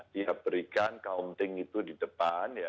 dia berikan kaunting itu di depan